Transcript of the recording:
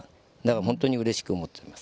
本当にうれしく思っています。